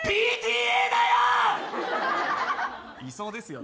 ＰＴＡだよ。